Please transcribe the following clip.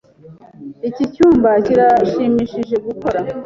Iki cyumba kirashimishije gukora.